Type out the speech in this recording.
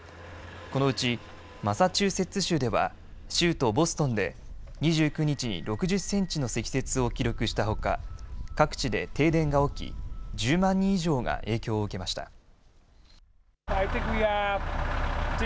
このうちマサチューセッツ州では州都ボストンで２９日に６０センチの積雪を記録したほか各地で停電が起き１０万人以上が影響を受けました。